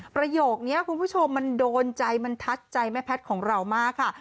ประโยคนี้คุณผู้ชมมันโดนใจมันทัดใจแม่แพทย์ของเรามากค่ะ